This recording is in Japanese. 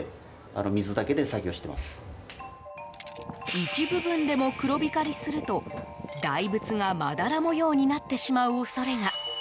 一部分でも黒光りすると大仏がまだら模様になってしまう恐れが。